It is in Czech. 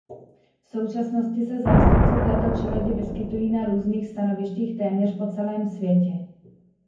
V současnosti se zástupci této čeledi vyskytují na různých stanovištích téměř po celém světě.